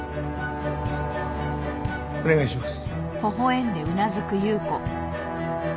お願いします。